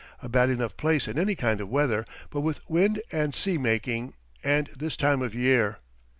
A bad enough place in any kind of weather, but with wind and sea making, and this time of year!